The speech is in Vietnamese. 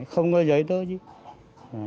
không có giấy nữa